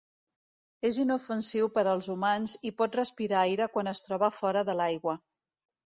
És inofensiu per als humans i pot respirar aire quan es troba fora de l'aigua.